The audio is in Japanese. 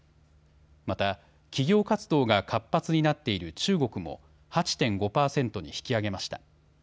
また企業活動が活発になっている中国も８．５％に引き上げました。